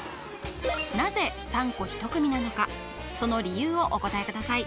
なぜ３個１組なのかその理由をお答えください